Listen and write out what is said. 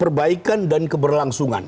perbaikan dan keberlangsungan